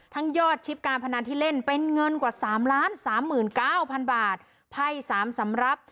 ทั้งยอดชิปการพนันที่เล่นเป็นเงินกว่า๓ล้าน๓๙๐๐๐บาทภัย๓สำรับ